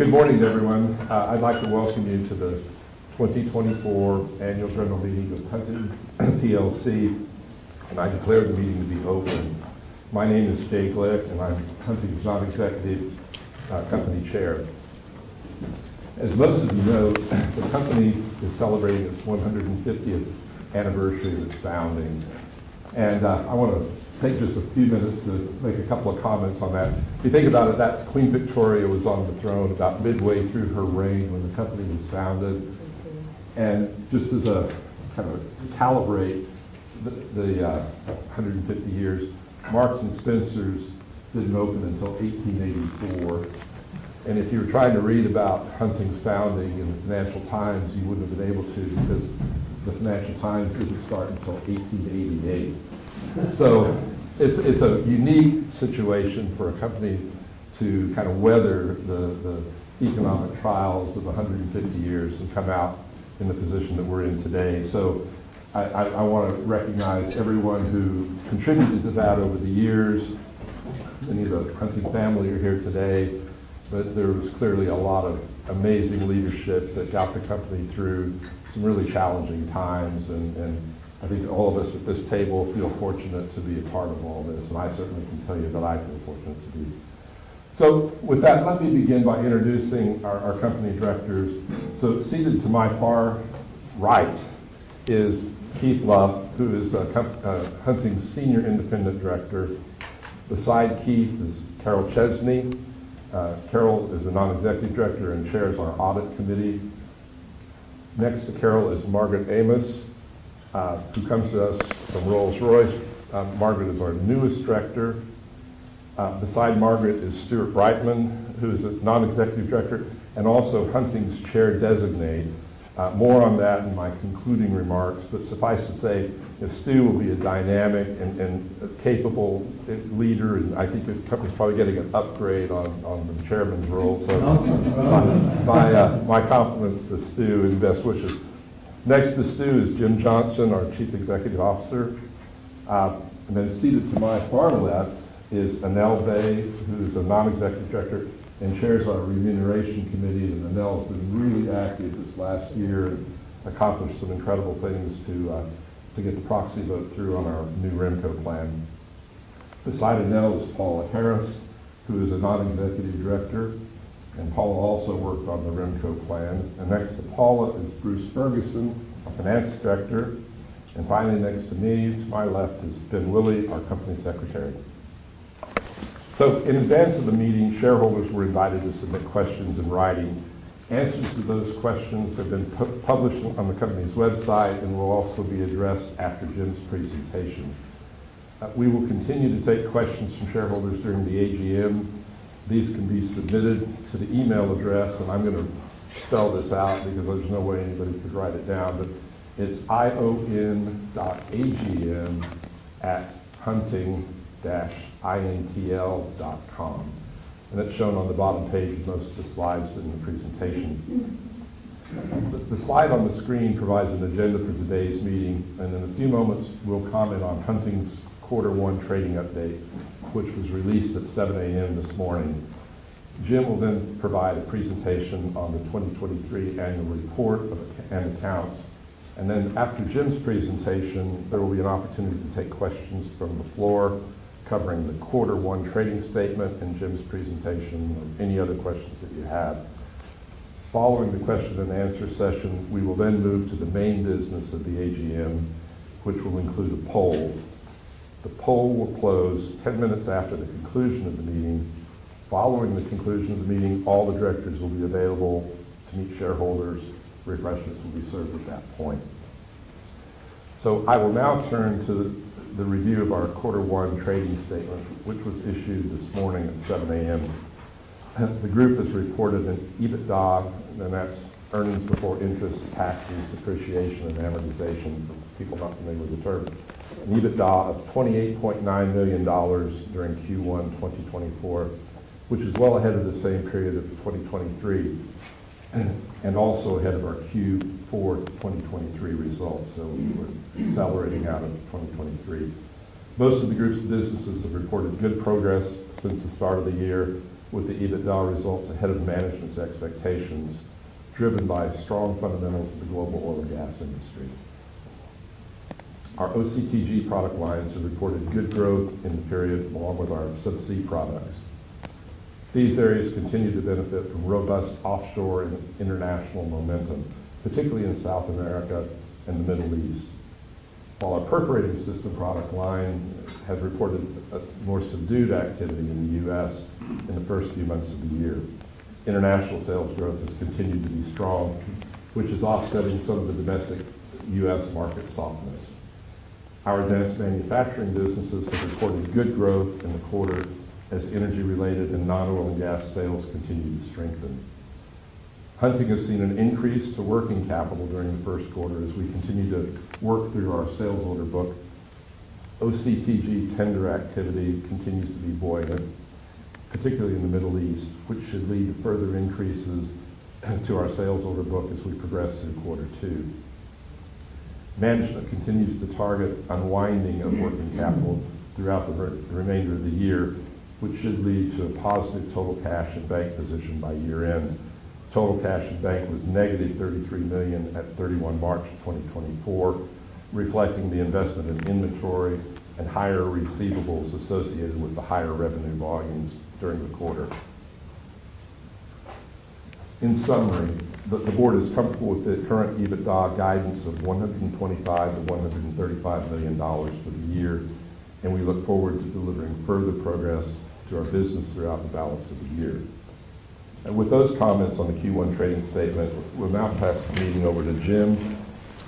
Good morning, everyone. I'd like to welcome you to the 2024 Annual General Meeting of Hunting PLC, and I declare the meeting to be open. My name is Jay Glick, and I'm Hunting's Non-Executive Company Chair. As most of you know, the company is celebrating its 150th anniversary of its founding, and I wanna take just a few minutes to make a couple of comments on that. If you think about it, that's Queen Victoria was on the throne about midway through her reign when the company was founded. And just as a kind of calibrate the hundred and fifty years, Marks and Spencer's didn't open until 1884. And if you were trying to read about Hunting's founding in the Financial Times, you wouldn't have been able to, because the Financial Times didn't start until 1888. So it's a unique situation for a company to kind of weather the economic trials of 150 years and come out in the position that we're in today. So I wanna recognize everyone who contributed to that over the years. Many of the Hunting family are here today, but there was clearly a lot of amazing leadership that got the company through some really challenging times. And I think all of us at this table feel fortunate to be a part of all this, and I certainly can tell you that I feel fortunate to be. So with that, let me begin by introducing our company directors. So seated to my far right is Keith Lough, who is Hunting's Senior Independent Director. Beside Keith is Carol Chesney. Carol is a Non-Executive Director and chairs our Audit Committee. Next to Carol is Margaret Amos, who comes to us from Rolls-Royce. Margaret is our newest director. Beside Margaret is Stuart Brightman, who is a Non-Executive Director and also Hunting's Chair Designate. More on that in my concluding remarks, but suffice to say that Stu will be a dynamic and a capable leader, and I think the company's probably getting an upgrade on the chairman's role. So my compliments to Stu and best wishes. Next to Stu is Jim Johnson, our Chief Executive Officer. And then seated to my far left is Annell Bay, who's a Non-Executive Director and chairs our Remuneration Committee. And Annell has been really active this last year and accomplished some incredible things to get the proxy vote through on our new RemCo plan. Beside Annell is Paula Harris, who is a Non-Executive Director, and Paula also worked on the RemCo plan. Next to Paula is Bruce Ferguson, our Finance Director. Finally, next to me, to my left, is Ben Willey, our Company Secretary. In advance of the meeting, shareholders were invited to submit questions in writing. Answers to those questions have been published on the company's website and will also be addressed after Jim's presentation. We will continue to take questions from shareholders during the AGM. These can be submitted to the email address, and I'm gonna spell this out because there's no way anybody could write it down, but it's ion.agm@hunting-intl.com, and that's shown on the bottom page of most of the slides in the presentation. The slide on the screen provides an agenda for today's meeting, and in a few moments, we'll comment on Hunting's quarter one trading update, which was released at 7 A.M. this morning. Jim will then provide a presentation on the 2023 annual report and accounts. Then after Jim's presentation, there will be an opportunity to take questions from the floor, covering the quarter one trading statement and Jim's presentation and any other questions that you have. Following the question and answer session, we will then move to the main business of the AGM, which will include a poll. The poll will close 10 minutes after the conclusion of the meeting. Following the conclusion of the meeting, all the directors will be available to meet shareholders. Refreshments will be served at that point. So I will now turn to the review of our Quarter One trading statement, which was issued this morning at 7:00 A.M. The group has reported an EBITDA, and that's earnings before interest, taxes, depreciation, and amortization, for people not familiar with the term. An EBITDA of $28.9 million during Q1 2024, which is well ahead of the same period of 2023, and also ahead of our Q4 2023 results. So we're accelerating out of 2023. Most of the group's businesses have reported good progress since the start of the year, with the EBITDA results ahead of management's expectations, driven by strong fundamentals of the global oil and gas industry. Our OCTG product lines have reported good growth in the period, along with our subsea products. These areas continue to benefit from robust offshore and international momentum, particularly in South America and the Middle East. While our perforating system product line has reported a more subdued activity in the U.S. in the first few months of the year, international sales growth has continued to be strong, which is offsetting some of the domestic U.S. market softness. Our advanced manufacturing businesses have reported good growth in the quarter as energy-related and non-oil and gas sales continue to strengthen. Hunting has seen an increase to working capital during the first quarter as we continue to work through our sales order book. OCTG tender activity continues to be buoyant, particularly in the Middle East, which should lead to further increases to our sales order book as we progress in quarter two. Management continues to target unwinding of working capital throughout the remainder of the year, which should lead to a positive total cash and bank position by year-end. Total cash in bank was negative $33 million at 31 March 2024, reflecting the investment in inventory and higher receivables associated with the higher revenue volumes during the quarter. In summary, the board is comfortable with the current EBITDA guidance of $125 million-$135 million for the year, and we look forward to delivering further progress to our business throughout the balance of the year. And with those comments on the Q1 trading statement, we'll now pass the meeting over to Jim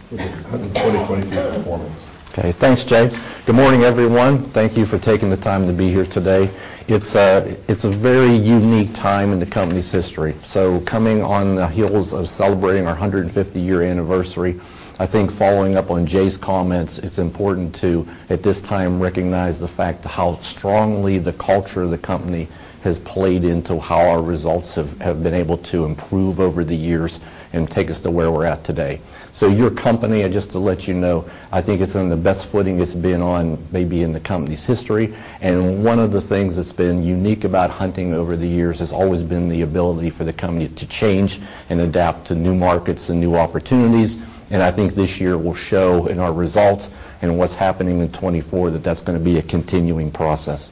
for the 2022 performance. Okay, thanks, Jay. Good morning, everyone. Thank you for taking the time to be here today. It's a, it's a very unique time in the company's history. So coming on the heels of celebrating our 150-year anniversary, I think following up on Jay's comments, it's important to, at this time, recognize the fact how strongly the culture of the company has played into how our results have, have been able to improve over the years and take us to where we're at today. So your company, just to let you know, I think it's on the best footing it's been on maybe in the company's history. And one of the things that's been unique about Hunting over the years has always been the ability for the company to change and adapt to new markets and new opportunities. I think this year will show in our results and what's happening in 2024, that that's gonna be a continuing process.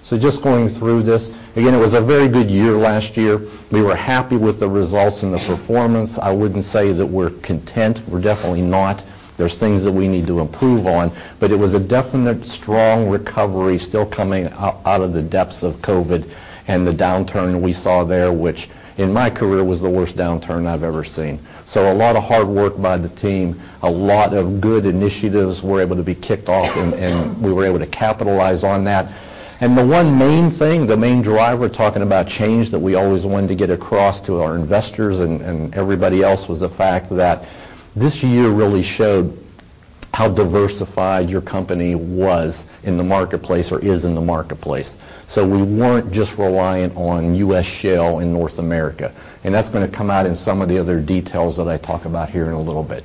So just going through this, again, it was a very good year last year. We were happy with the results and the performance. I wouldn't say that we're content. We're definitely not. There's things that we need to improve on, but it was a definite strong recovery still coming out, out of the depths of COVID and the downturn we saw there, which, in my career, was the worst downturn I've ever seen. So a lot of hard work by the team, a lot of good initiatives were able to be kicked off, and, and we were able to capitalize on that. The one main thing, the main driver, talking about change, that we always wanted to get across to our investors and, and everybody else, was the fact that this year really showed how diversified your company was in the marketplace or is in the marketplace. We weren't just reliant on U.S. shale in North America, and that's gonna come out in some of the other details that I talk about here in a little bit.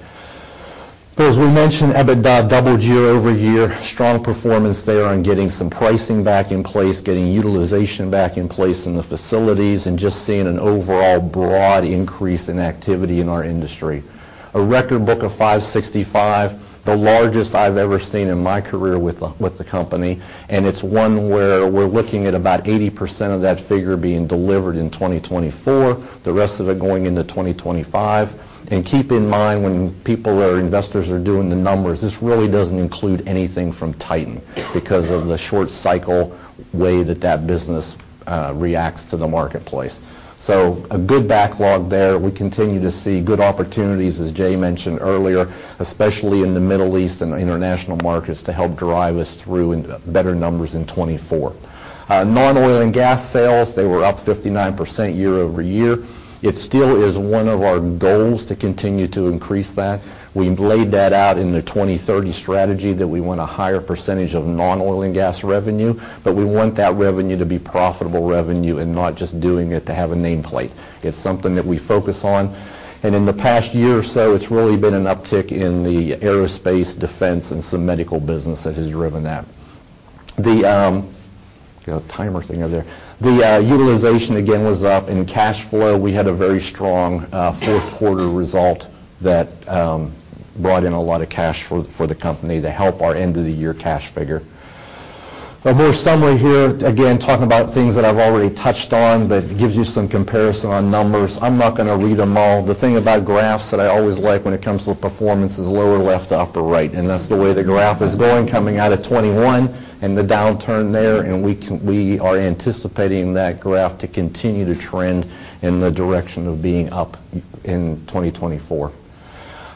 As we mentioned, EBITDA doubled year-over-year. Strong performance there on getting some pricing back in place, getting utilization back in place in the facilities, and just seeing an overall broad increase in activity in our industry. A record backlog of $565 million, the largest I've ever seen in my career with the company, and it's one where we're looking at about 80% of that figure being delivered in 2024, the rest of it going into 2025. Keep in mind, when people or investors are doing the numbers, this really doesn't include anything from Titan because of the short-cycle way that that business reacts to the marketplace. So a good backlog there. We continue to see good opportunities, as Jay mentioned earlier, especially in the Middle East and the international markets, to help drive us through in better numbers in 2024. Non-oil-and-gas sales, they were up 59% year-over-year. It still is one of our goals to continue to increase that. We laid that out in the 2030 strategy, that we want a higher percentage of non-oil and gas revenue, but we want that revenue to be profitable revenue and not just doing it to have a nameplate. It's something that we focus on, and in the past year or so, it's really been an uptick in the aerospace defense and some medical business that has driven that. The utilization again was up, and cash flow, we had a very strong fourth quarter result that brought in a lot of cash for the company to help our end-of-the-year cash figure. But more summary here, again, talking about things that I've already touched on, but it gives you some comparison on numbers. I'm not gonna read them all. The thing about graphs that I always like when it comes to performance is lower left to upper right, and that's the way the graph is going, coming out at 2021 and the downturn there, and we are anticipating that graph to continue to trend in the direction of being up in 2024.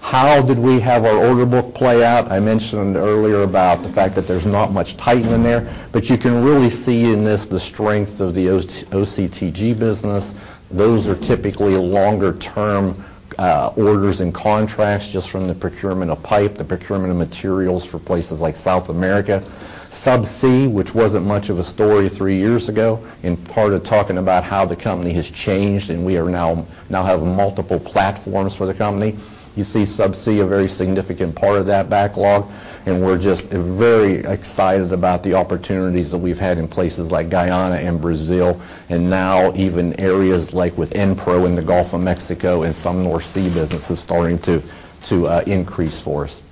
How did we have our order book play out? I mentioned earlier about the fact that there's not much Titan in there, but you can really see in this the strength of the OCTG business. Those are typically longer-term orders and contracts just from the procurement of pipe, the procurement of materials for places like South America. Subsea, which wasn't much of a story three years ago, and part of talking about how the company has changed, and we are now have multiple platforms for the company. You see Subsea, a very significant part of that backlog, and we're just very excited about the opportunities that we've had in places like Guyana and Brazil, and now even areas like with EnPro in the Gulf of Mexico and some more subsea businesses starting to increase for us.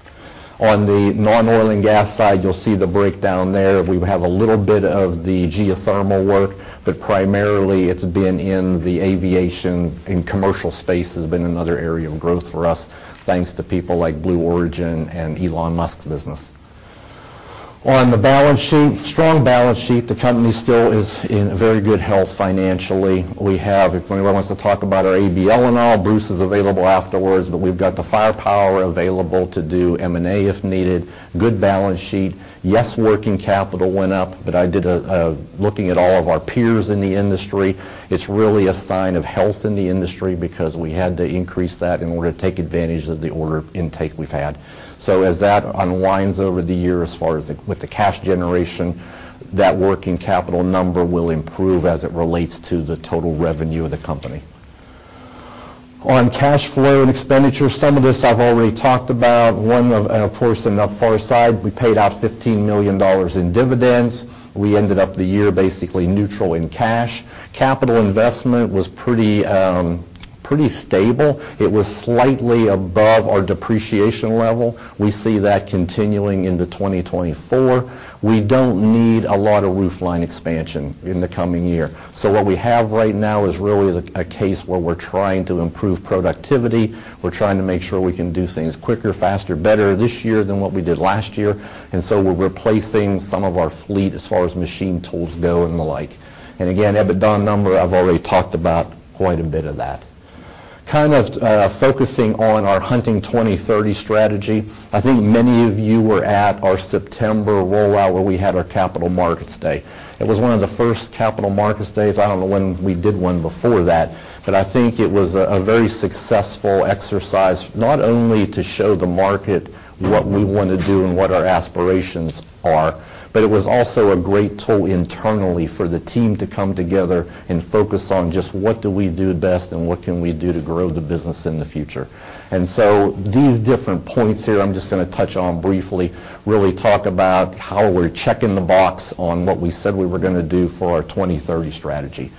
On the non-oil and gas side, you'll see the breakdown there. We have a little bit of the geothermal work, but primarily it's been in the aviation, and commercial space has been another area of growth for us, thanks to people like Blue Origin and Elon Musk business. On the balance sheet, strong balance sheet. The company still is in very good health financially. We have, if anyone wants to talk about our ABL and all, Bruce is available afterwards, but we've got the firepower available to do M&A if needed. Good balance sheet. Yes, working capital went up, but... Looking at all of our peers in the industry, it's really a sign of health in the industry because we had to increase that in order to take advantage of the order intake we've had. So as that unwinds over the year, as far as the, with the cash generation, that working capital number will improve as it relates to the total revenue of the company.... On cash flow and expenditure, some of this I've already talked about. One of, and, of course, on the far side, we paid out $15 million in dividends. We ended up the year basically neutral in cash. Capital investment was pretty stable. It was slightly above our depreciation level. We see that continuing into 2024. We don't need a lot of roofline expansion in the coming year. So what we have right now is really a case where we're trying to improve productivity. We're trying to make sure we can do things quicker, faster, better this year than what we did last year, and so we're replacing some of our fleet as far as machine tools go and the like. And again, EBITDA number, I've already talked about quite a bit of that. Kind of focusing on our Hunting 2030 strategy, I think many of you were at our September rollout, where we had our Capital Markets Day. It was one of the first Capital Markets days. I don't know when we did one before that, but I think it was a very successful exercise, not only to show the market what we want to do and what our aspirations are, but it was also a great tool internally for the team to come together and focus on just what do we do best and what can we do to grow the business in the future. And so these different points here, I'm just gonna touch on briefly, really talk about how we're checking the box on what we said we were gonna do for our 2030 strategy.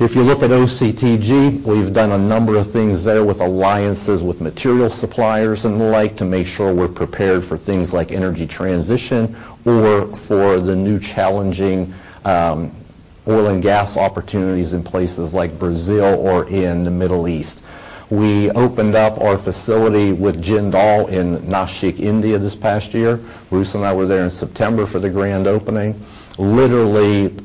If you look at OCTG, we've done a number of things there with alliances, with material suppliers and the like, to make sure we're prepared for things like energy transition or for the new challenging oil and gas opportunities in places like Brazil or in the Middle East. We opened up our facility with Jindal in Nashik, India, this past year. Bruce and I were there in September for the grand opening. Literally,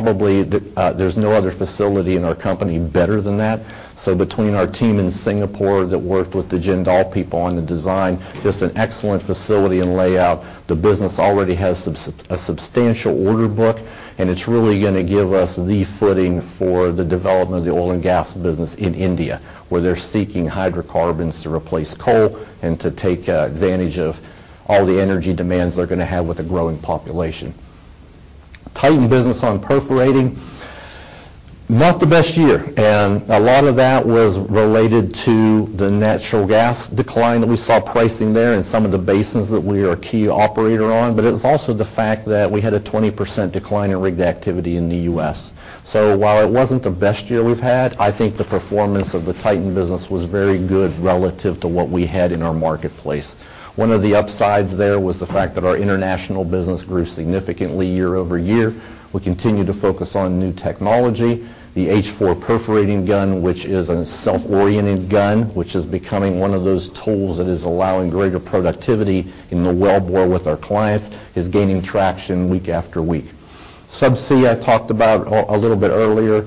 probably, there's no other facility in our company better than that. So between our team in Singapore that worked with the Jindal people on the design, just an excellent facility and layout. The business already has a substantial order book, and it's really gonna give us the footing for the development of the oil and gas business in India, where they're seeking hydrocarbons to replace coal and to take advantage of all the energy demands they're gonna have with a growing population. Titan business on perforating, not the best year, and a lot of that was related to the natural gas decline that we saw pricing there in some of the basins that we are a key operator on. But it was also the fact that we had a 20% decline in rig activity in the U.S. So while it wasn't the best year we've had, I think the performance of the Titan business was very good relative to what we had in our marketplace. One of the upsides there was the fact that our international business grew significantly year-over-year. We continue to focus on new technology. The H-4 perforating gun, which is a self-oriented gun, which is becoming one of those tools that is allowing greater productivity in the wellbore with our clients, is gaining traction week after week. Subsea, I talked about a little bit earlier.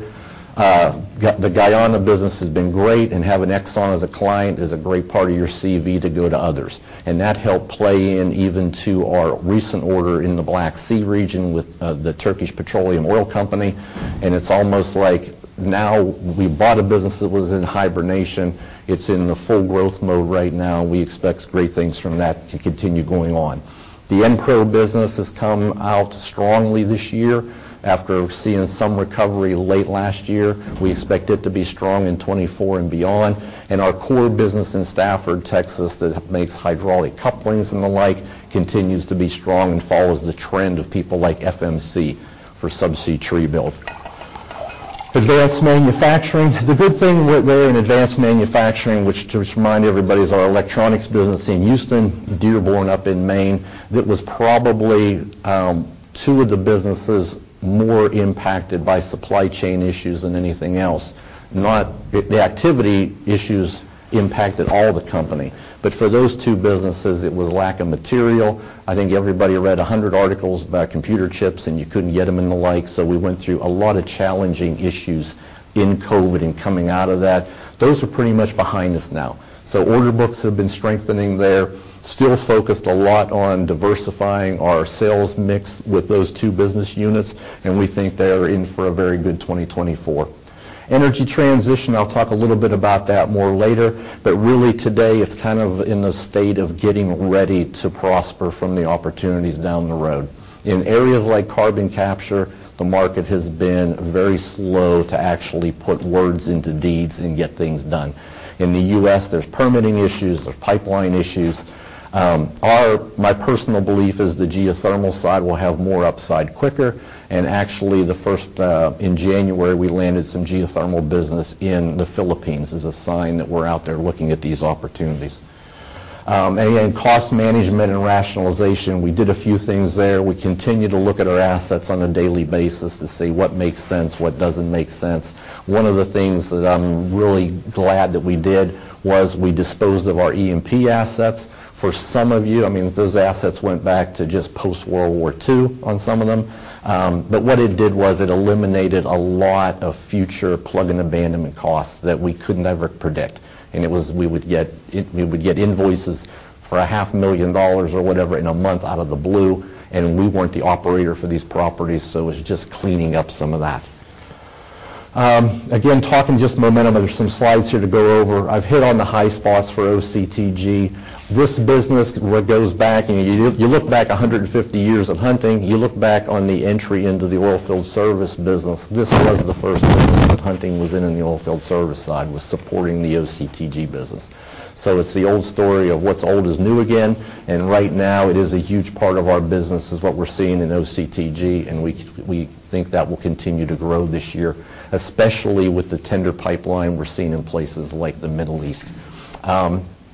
The Guyana business has been great, and having Exxon as a client is a great part of your CV to go to others, and that helped play in even to our recent order in the Black Sea region with the Turkish Petroleum. And it's almost like now we bought a business that was in hibernation. It's in the full growth mode right now, and we expect great things from that to continue going on. The EnPro business has come out strongly this year after seeing some recovery late last year. We expect it to be strong in 2024 and beyond. Our core business in Stafford, Texas, that makes hydraulic couplings and the like, continues to be strong and follows the trend of people like FMC for subsea tree build. Advanced manufacturing. The good thing with there in advanced manufacturing, which, to just remind everybody, is our electronics business in Houston, Dearborn, up in Maine, that was probably two of the businesses more impacted by supply chain issues than anything else. Not the activity issues impacted all the company, but for those two businesses, it was lack of material. I think everybody read 100 articles about computer chips, and you couldn't get them and the like, so we went through a lot of challenging issues in COVID and coming out of that. Those are pretty much behind us now. So order books have been strengthening there. Still focused a lot on diversifying our sales mix with those two business units, and we think they are in for a very good 2024. Energy transition, I'll talk a little bit about that more later, but really, today it's kind of in the state of getting ready to prosper from the opportunities down the road. In areas like carbon capture, the market has been very slow to actually put words into deeds and get things done. In the U.S., there's permitting issues, there's pipeline issues. My personal belief is the geothermal side will have more upside quicker. And actually, the first in January, we landed some geothermal business in the Philippines as a sign that we're out there looking at these opportunities. And again, cost management and rationalization, we did a few things there. We continue to look at our assets on a daily basis to see what makes sense, what doesn't make sense. One of the things that I'm really glad that we did was we disposed of our EMP assets. For some of you, I mean, those assets went back to just post-World War II on some of them. But what it did was it eliminated a lot of future plug-in abandonment costs that we could never predict, and it was we would get invoices for $500,000 or whatever in a month out of the blue, and we weren't the operator for these properties, so it was just cleaning up some of that. Again, talking just momentum, there's some slides here to go over. I've hit on the high spots for OCTG. This business, what goes back, and you look back 150 years of Hunting, you look back on the entry into the oilfield service business, this was the first business that Hunting was in, in the oilfield service side, was supporting the OCTG business. So it's the old story of what's old is new again, and right now, it is a huge part of our business, is what we're seeing in OCTG, and we think that will continue to grow this year, especially with the tender pipeline we're seeing in places like the Middle East.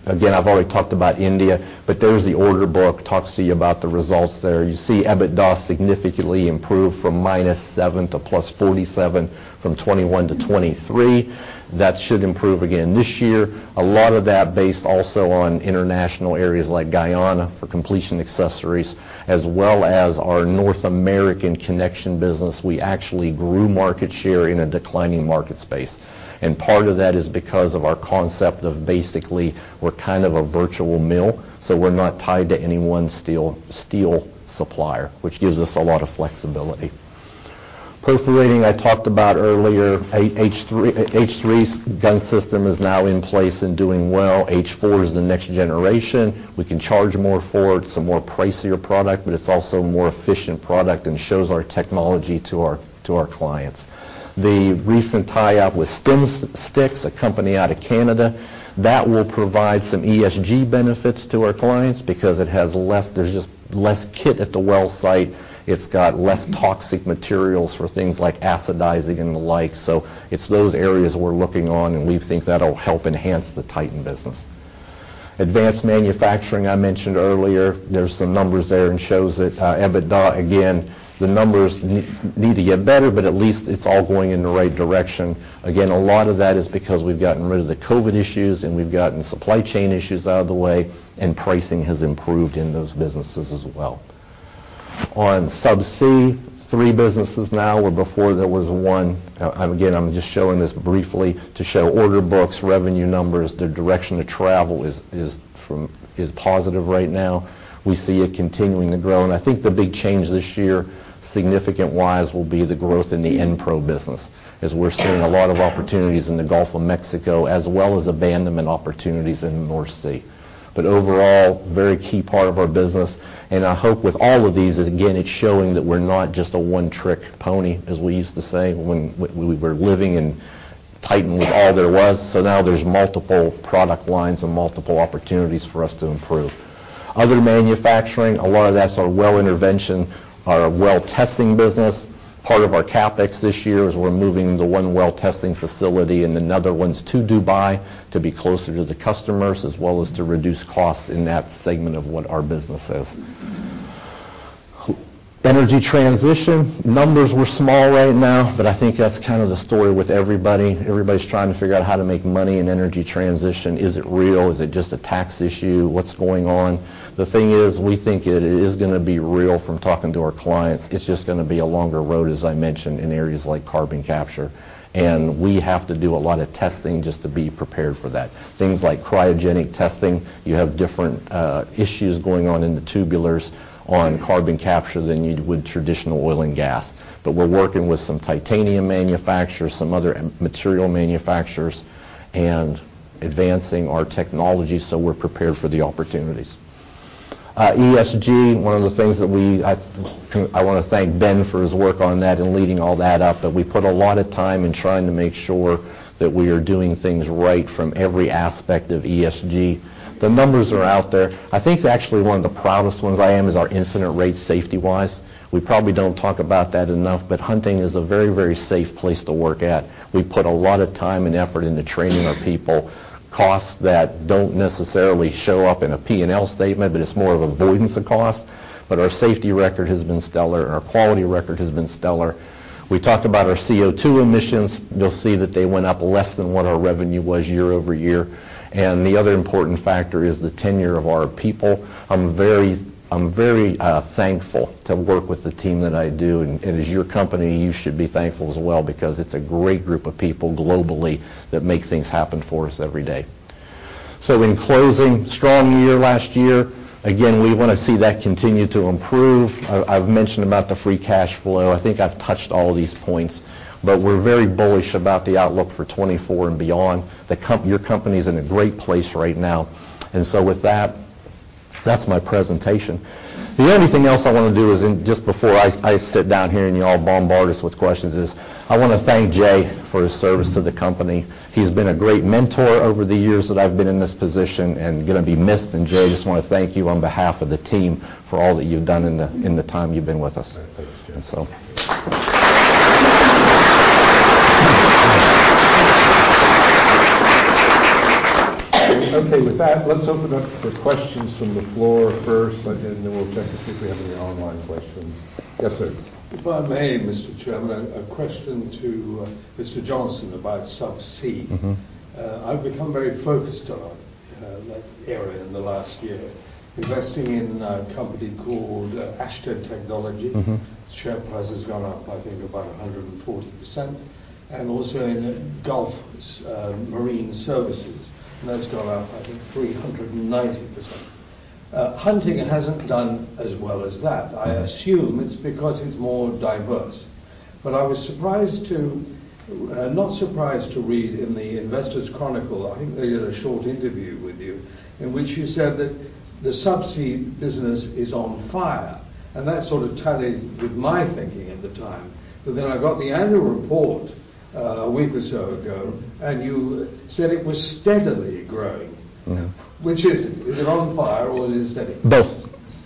Again, I've already talked about India, but there's the order book. Talks to you about the results there. You see, EBITDA significantly improved from -$7 to +$47, from 2021 to 2023. That should improve again this year. A lot of that based also on international areas like Guyana for completion accessories, as well as our North American Connection business. We actually grew market share in a declining market space, and part of that is because of our concept of basically we're kind of a virtual mill, so we're not tied to any one steel supplier, which gives us a lot of flexibility. Perforating, I talked about earlier. H-3, H-3 gun system is now in place and doing well. H-4 is the next generation. We can charge more for it. It's a more pricier product, but it's also a more efficient product and shows our technology to our, to our clients. The recent tie-up with StimStixx, a company out of Canada, that will provide some ESG benefits to our clients because it has less, there's just less kit at the well site. It's got less toxic materials for things like acidizing and the like. So it's those areas we're looking on, and we think that'll help enhance the Titan business. Advanced manufacturing, I mentioned earlier. There's some numbers there and shows that, EBITDA, again, the numbers need to get better, but at least it's all going in the right direction. Again, a lot of that is because we've gotten rid of the COVID issues, and we've gotten supply chain issues out of the way, and pricing has improved in those businesses as well. On Subsea, three businesses now, where before there was one. I'm again, I'm just showing this briefly to show order books, revenue numbers. The direction of travel is positive right now. We see it continuing to grow, and I think the big change this year, significant wise, will be the growth in the EnPro business, as we're seeing a lot of opportunities in the Gulf of Mexico, as well as abandonment opportunities in the North Sea. But overall, very key part of our business, and I hope with all of these, again, it's showing that we're not just a one-trick pony, as we used to say when we, we were living and Titan was all there was. So now there's multiple product lines and multiple opportunities for us to improve. Other manufacturing, a lot of that's our well intervention, our well testing business. Part of our CapEx this year is we're moving the one well testing facility and another one's to Dubai to be closer to the customers, as well as to reduce costs in that segment of what our business is. Energy transition. Numbers were small right now, but I think that's kind of the story with everybody. Everybody's trying to figure out how to make money in energy transition. Is it real? Is it just a tax issue? What's going on? The thing is, we think it is gonna be real from talking to our clients. It's just gonna be a longer road, as I mentioned, in areas like carbon capture, and we have to do a lot of testing just to be prepared for that. Things like cryogenic testing, you have different, issues going on in the tubulars on carbon capture than you'd with traditional oil and gas. But we're working with some titanium manufacturers, some other material manufacturers, and advancing our technology, so we're prepared for the opportunities. ESG, one of the things that we... I, I wanna thank Ben for his work on that and leading all that up, but we put a lot of time in trying to make sure that we are doing things right from every aspect of ESG. The numbers are out there. I think actually one of the proudest ones I am is our incident rate, safety-wise. We probably don't talk about that enough, but Hunting is a very, very safe place to work at. We put a lot of time and effort into training our people. Costs that don't necessarily show up in a P&L statement, but it's more of avoidance of cost. But our safety record has been stellar, and our quality record has been stellar. We talked about our CO2 emissions. You'll see that they went up less than what our revenue was year-over-year. And the other important factor is the tenure of our people. I'm very thankful to work with the team that I do, and as your company, you should be thankful as well because it's a great group of people globally that make things happen for us every day. So in closing, strong year last year. Again, we want to see that continue to improve. I've mentioned about the free cash flow. I think I've touched all these points, but we're very bullish about the outlook for 2024 and beyond. Your company is in a great place right now, and so with that, that's my presentation. The only thing else I want to do is, just before I sit down here and you all bombard us with questions, I want to thank Jay for his service to the company. He's been a great mentor over the years that I've been in this position and gonna be missed. And, Jay, I just want to thank you on behalf of the team for all that you've done in the time you've been with us. Thanks. And so. Okay, with that, let's open up for questions from the floor first, and then we'll check to see if we have any online questions. Yes, sir. If I may, Mr. Chairman, a question to Mr. Johnson about Subsea. Mm-hmm. I've become very focused on that area in the last year, investing in a company called Ashtead Technology. Mm-hmm. Share price has gone up, I think, about 140%, and also in Gulf Marine Services, and that's gone up, I think, 390%. Hunting hasn't done as well as that. I assume it's because it's more diverse. But I was surprised to, not surprised to read in the Investors Chronicle, I think they did a short interview with you in which you said that the subsea business is on fire, and that sort of tallied with my thinking at the time. But then I got the annual report, a week or so ago, and you said it was steadily growing. Yeah. Which is it? Is it on fire or is it steady? Both.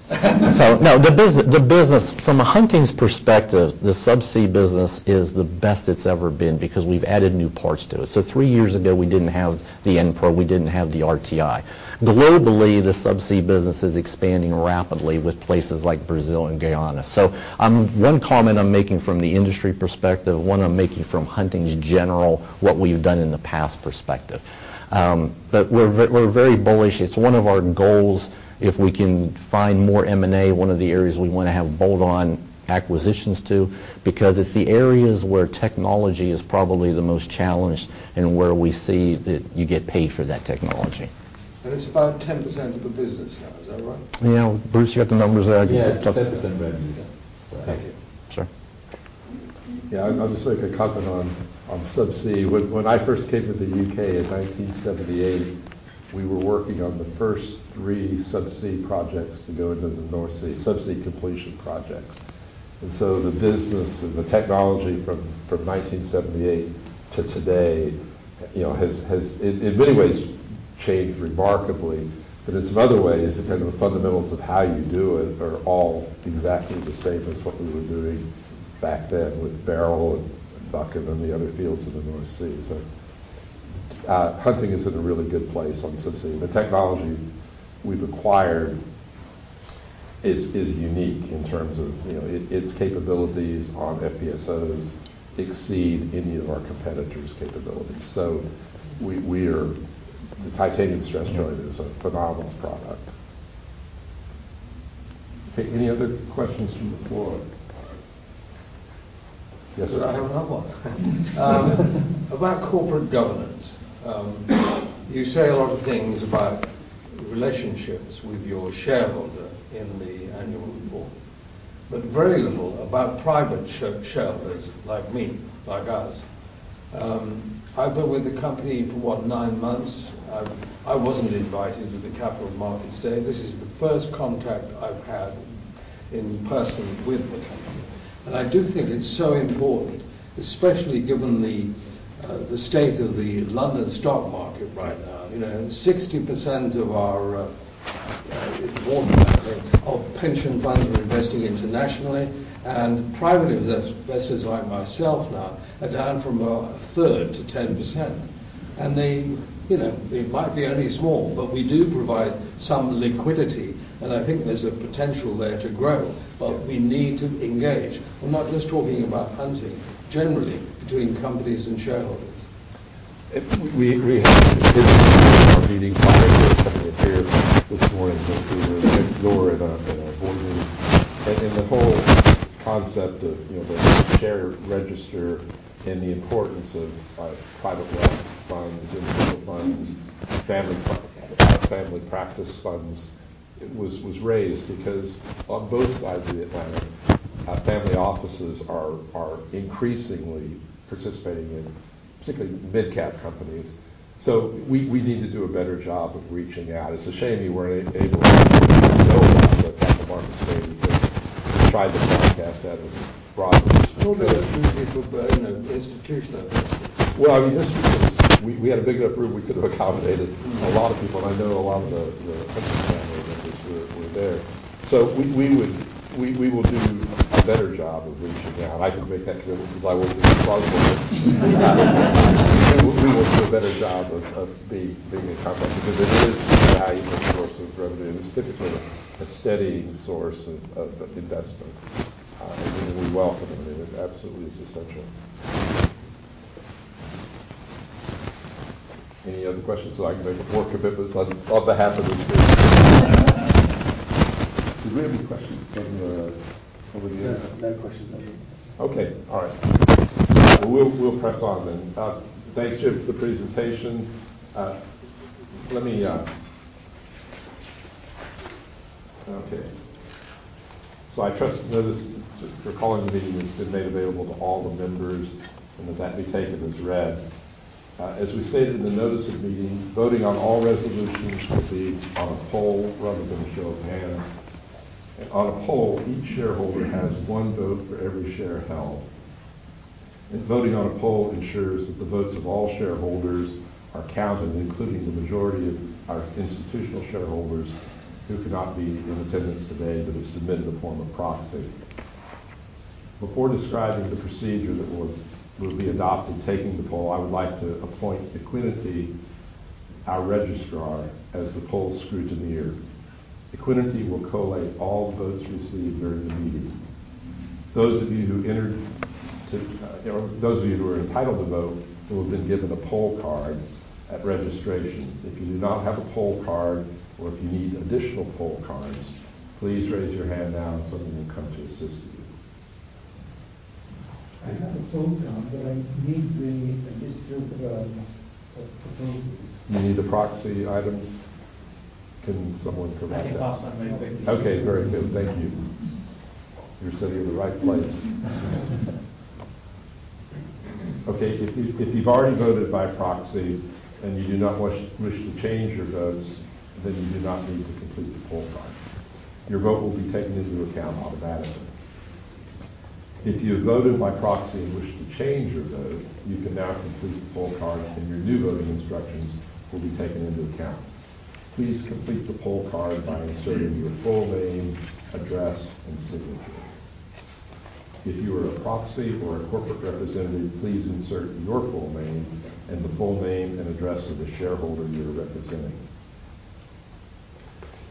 So no, the business, from a Hunting's perspective, the subsea business is the best it's ever been because we've added new parts to it. So three years ago, we didn't have the EnPro, we didn't have the RTI. Globally, the subsea business is expanding rapidly with places like Brazil and Guyana. So, one comment I'm making from the industry perspective, one I'm making from Hunting's general, what we've done in the past perspective. But we're very bullish. It's one of our goals, if we can find more M&A, one of the areas we wanna have bolt-on acquisitions to, because it's the areas where technology is probably the most challenged and where we see that you get paid for that technology. It's about 10% of the business now, is that right? Yeah. Bruce, you got the numbers there? Yeah, it's 10% revenue. Okay. Sure. Yeah. I'll, I'll just make a comment on, on subsea. When, when I first came to the U.K. in 1978, we were working on the first three subsea projects to go into the North Sea, subsea completion projects. And so the business and the technology from, from 1978 to today, you know, has, has in, in many ways changed remarkably. But in some other ways, the kind of fundamentals of how you do it are all exactly the same as what we were doing back then with Beryl and Buchan and the other fields in the North Sea. So, Hunting is in a really good place on subsea. The technology we've acquired is, is unique in terms of, you know, it- its capabilities on FPSOs exceed any of our competitors' capabilities. So we, we are... The titanium stress joint is a phenomenal product. Okay, any other questions from the floor? Yes, sir. I have another one. About corporate governance. You say a lot of things about relationships with your shareholder in the annual report, but very little about private shareholders like me, like us. I've been with the company for what, nine months? I wasn't invited to the Capital Markets Day. This is the first contact I've had in person with the company. And I do think it's so important, especially given the state of the London stock market right now. You know, 60% of our pension funds are investing internationally, and private investors, like myself now, are down from a 1/3 to 10%. And they, you know, they might be only small, but we do provide some liquidity, and I think there's a potential there to grow. Yeah. But we need to engage. I'm not just talking about Hunting, generally between companies and shareholders. If we had a meeting here this morning, next door in our boardroom. And the whole concept of, you know, the share register and the importance of private wealth funds, institutional funds, family office funds, it was raised because on both sides of the Atlantic, family offices are increasingly participating in particularly mid-cap companies. So we need to do a better job of reaching out. It's a shame you weren't able to Capital Markets Day. We tried to broadcast that as broadly as we could- Well, it was mainly for, you know, institutional investors. Well, I mean, institutions, we had a big enough room, we could have accommodated a lot of people, and I know a lot of the Hunting family members were there. So we will do a better job of reaching out. I can make that commitment because I work with the board. We will do a better job of being in contact, because it is a valuable source of revenue, and it's typically a steady source of investment. And we welcome it. It absolutely is essential. Any other questions so I can make more commitments on behalf of the group? Do we have any questions from the... over there? No questions over there. Okay. All right. We'll, we'll press on then. Thanks, Jim, for the presentation. Let me... Okay. So I trust the notice for calling the meeting has been made available to all the members, and that that be taken as read. As we stated in the notice of meeting, voting on all resolutions will be on a poll rather than a show of hands. On a poll, each shareholder has one vote for every share held. And voting on a poll ensures that the votes of all shareholders are counted, including the majority of our institutional shareholders, who could not be in attendance today, but have submitted a form of proxy. Before describing the procedure that will, will be adopted in taking the poll, I would like to appoint Equiniti, our registrar, as the poll scrutineer. Equiniti will collate all votes received during the meeting. Those of you who entered, or those of you who are entitled to vote, will have been given a poll card at registration. If you do not have a poll card or if you need additional poll cards, please raise your hand now, and someone will come to assist you. I have a poll card, but I need the list of, of the proxies. You need the proxy items? Can someone provide that? I can pass on my copy. Okay, very good. Thank you. You're sitting in the right place.... Okay, if you've already voted by proxy and you do not wish to change your votes, then you do not need to complete the poll card. Your vote will be taken into account automatically. If you voted by proxy and wish to change your vote, you can now complete the poll card, and your new voting instructions will be taken into account. Please complete the poll card by inserting your full name, address, and signature. If you are a proxy or a corporate representative, please insert your full name and the full name and address of the shareholder you are representing.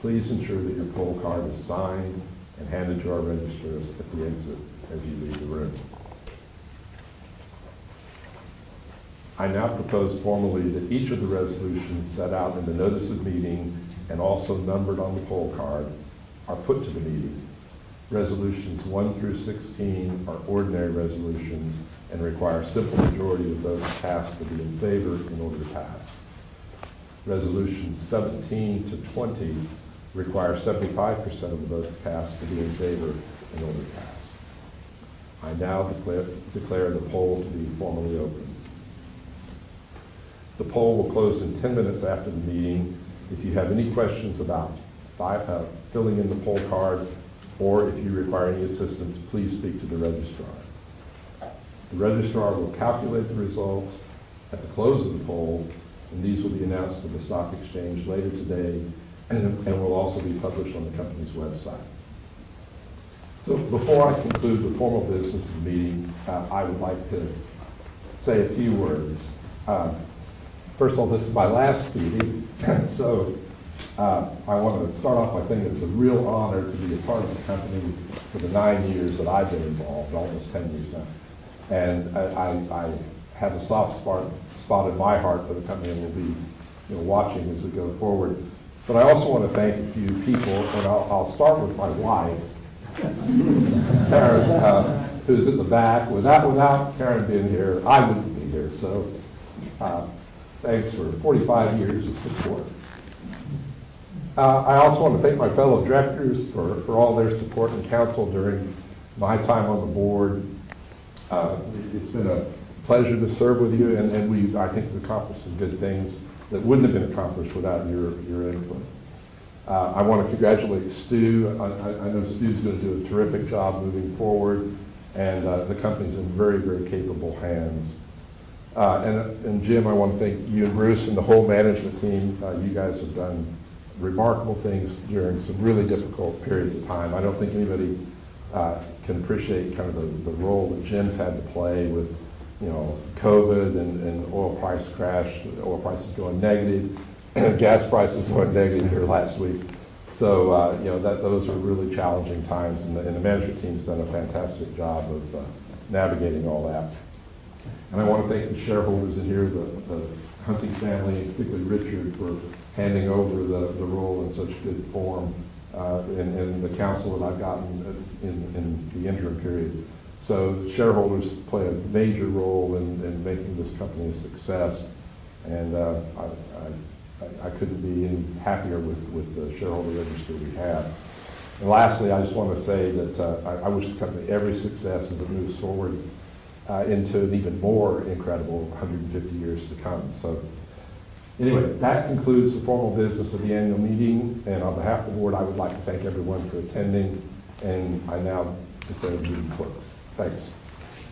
Please ensure that your poll card is signed and handed to our registrars at the exit as you leave the room. I now propose formally that each of the resolutions set out in the notice of meeting, and also numbered on the poll card, are put to the meeting. Resolutions 1 through 16 are ordinary resolutions and require a simple majority of votes cast to be in favor in order to pass. Resolutions 17 to 20 require 75% of the votes cast to be in favor in order to pass. I now declare the poll to be formally open. The poll will close in 10 minutes after the meeting. If you have any questions about how to fill in the poll card, or if you require any assistance, please speak to the registrar. The registrar will calculate the results at the close of the poll, and these will be announced at the stock exchange later today, and will also be published on the company's website. So before I conclude the formal business of the meeting, I would like to say a few words. First of all, this is my last meeting, so I wanted to start off by saying it's a real honor to be a part of the company for the nine years that I've been involved, almost 10 years now. I have a soft spot in my heart for the company and will be, you know, watching as we go forward. But I also want to thank a few people, and I'll start with my wife, Karen, who's in the back. Without Karen being here, I wouldn't be here, so thanks for 45 years of support. I also want to thank my fellow directors for all their support and counsel during my time on the board. It's been a pleasure to serve with you, and we've... I think we've accomplished some good things that wouldn't have been accomplished without your input. I want to congratulate Stu. I know Stu's gonna do a terrific job moving forward, and the company's in very, very capable hands. And Jim, I want to thank you and Bruce and the whole management team. You guys have done remarkable things during some really difficult periods of time. I don't think anybody can appreciate kind of the role that Jim's had to play with, you know, COVID and oil price crash, oil prices going negative, gas prices went negative here last week. So, you know, that—those were really challenging times, and the management team's done a fantastic job of navigating all that. I wanna thank the shareholders in here, the Hunting family, and particularly Richard, for handing over the role in such good form, and the counsel that I've gotten in the interim period. So shareholders play a major role in making this company a success, and I couldn't be any happier with the shareholder registry we have. And lastly, I just want to say that I wish the company every success as it moves forward into an even more incredible 150 years to come. So anyway, that concludes the formal business of the annual meeting, and on behalf of the board, I would like to thank everyone for attending, and I now declare the meeting closed. Thanks.